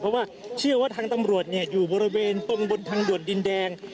เพราะว่าเชื่อว่าทางตำรวจอยู่บริเวณตรงบนทางด่วนดินแดง